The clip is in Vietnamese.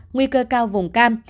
nguy cơ cao vùng cam